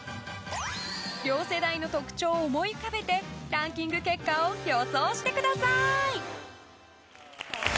両世代の特徴を思い浮かべてランキング結果を予想してください。